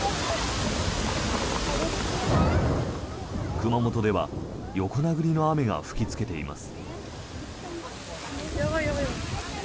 熊本では横殴りの雨が吹きつけています。